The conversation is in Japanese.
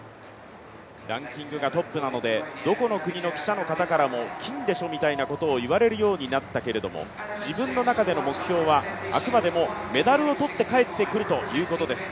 ランキングがトップなので、どこの国の記者の方からも金でしょみたいなことを言われるようになったけれども自分の中での目標はあくまでもメダルを取って帰ってくるということです。